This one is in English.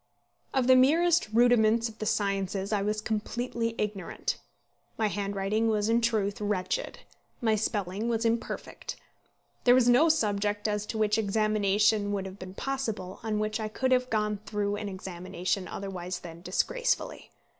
Of the merest rudiments of the sciences I was completely ignorant. My handwriting was in truth wretched. My spelling was imperfect. There was no subject as to which examination would have been possible on which I could have gone through an examination otherwise than disgracefully.